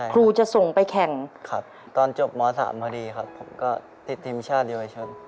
ครูจะส่งไปแข่งครับตอนจบม๓พอดีครับผมก็ติดทีมชาติเยาวชน